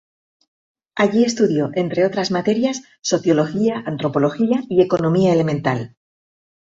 Allí estudió, entre otras materias, sociología, antropología y economía elemental.